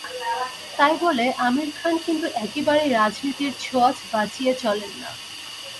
তাই বলে আমির খান কিন্তু একেবারেই রাজনীতির ছোঁয়াচ বাঁচিয়ে চলেন না।